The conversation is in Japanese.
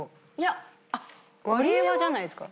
ワリエワじゃないですか？